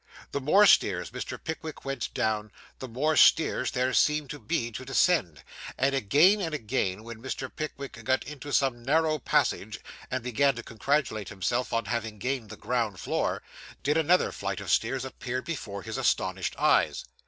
The more stairs Mr. Pickwick went down, the more stairs there seemed to be to descend, and again and again, when Mr. Pickwick got into some narrow passage, and began to congratulate himself on having gained the ground floor, did another flight of stairs appear before his astonished eyes.